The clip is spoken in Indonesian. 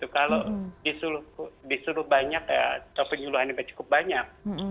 kalau disuruh banyak atau penyuluhan yang cukup banyak